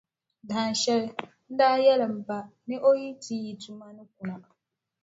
Dahinshɛli, n daa yɛli m ba, ni o yi ti yi tuma ni kunna,